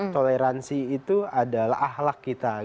toleransi itu adalah ahlak kita